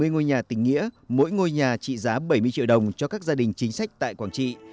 hai mươi ngôi nhà tình nghĩa mỗi ngôi nhà trị giá bảy mươi triệu đồng cho các gia đình chính sách tại quảng trị